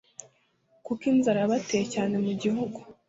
kuko inzara yabateye cyane mu igihugu